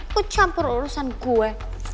kok campur urusan gue